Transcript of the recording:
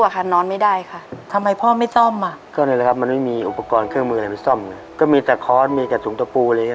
ก็มีแต่คอร์สมีแต่สูงตะปูอะไรอย่างนี้